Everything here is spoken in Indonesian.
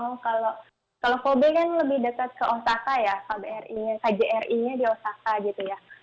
oh kalau kobe kan lebih dekat ke osaka ya kjri nya di osaka gitu ya